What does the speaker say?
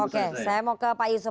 oke saya mau ke pak yusuf